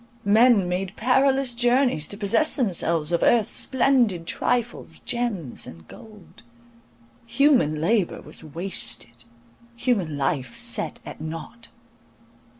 Men made perilous journies to possess themselves of earth's splendid trifles, gems and gold. Human labour was wasted—human life set at nought.